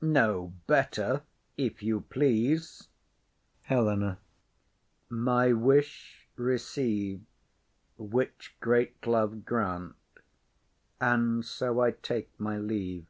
No better, if you please. HELENA. My wish receive, Which great Love grant; and so I take my leave.